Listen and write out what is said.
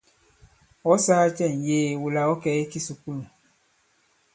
Ɔ̌ sāā cɛ ŋ̀yee wula ɔ̌ kɛ̀ i kisùkulù ?